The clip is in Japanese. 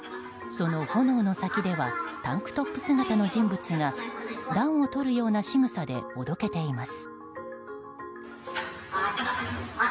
その炎の先ではタンクトップ姿の人物が暖をとるようなしぐさでおどけています。